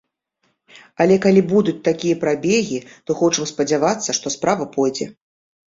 Але калі будуць такія прабегі, то хочам спадзявацца, што справа пойдзе.